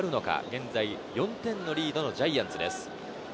現在４点リードのジャイアンツです。